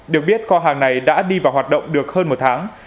được biết kho hàng này đã đi vào hoạt động được hơn một tháng